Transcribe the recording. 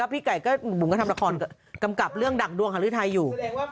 พี่ไก่ก็บุงก็ทำละครกำกับเรื่องดักดวงหาลูกไทยอยู่